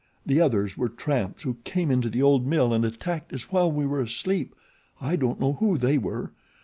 The others were tramps who came into the old mill and attacked us while we were asleep. I don't know who they were.